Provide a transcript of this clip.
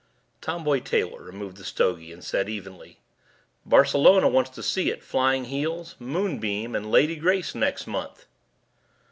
Tomboy Taylor removed the stogie and said evenly, "Barcelona wants to see it Flying Heels, Moonbeam, and Lady Grace next month."